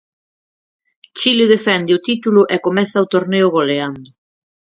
Chile defende o título e comeza o torneo goleando.